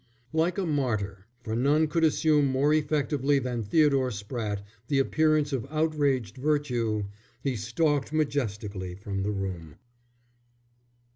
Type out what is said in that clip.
Like a martyr, for none could assume more effectively than Theodore Spratte the appearance of outraged virtue, he stalked majestically from the room.